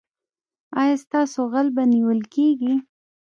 ایا ستاسو غل به نیول کیږي؟